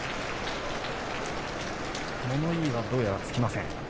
物言いはどうやらつきません。